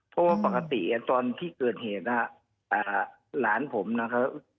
เพราะว่าปกติตอนที่เกิดเหตุนะฮะหลานผมนะครับ